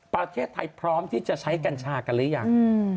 ประเทศไทยพร้อมที่จะใช้กัญชากันหรือยัง